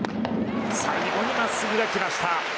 最後は真っすぐできました。